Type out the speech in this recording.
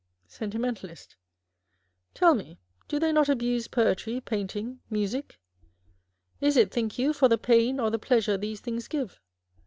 Sentimentalist. Tell me, do they not abuse poetry, paint ing, music ? Is it, think you, for the pain or the pleasure these things give